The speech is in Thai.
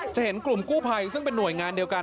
เห็นกลุ่มกู้ภัยซึ่งเป็นหน่วยงานเดียวกัน